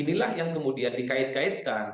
inilah yang kemudian dikait kaitkan